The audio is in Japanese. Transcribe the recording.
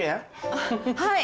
ああはい。